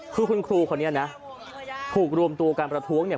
คือคุณครูคนนี้นะถูกรวมตัวการประท้วงเนี่ย